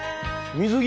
水着？